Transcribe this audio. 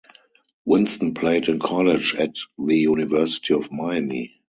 Winston played in college at the University of Miami.